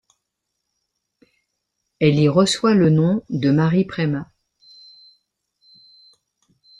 Elle y reçoit le nom de Mary Prema.